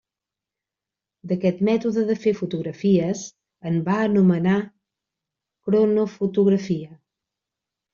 D’aquest mètode de fer fotografies, en va anomenar Cronofotografia.